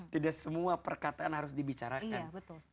tidak semua perkataan harus dibicarakan